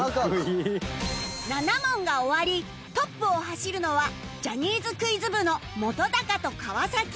７問が終わりトップを走るのはジャニーズクイズ部の本と川